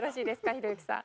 ひろゆきさん。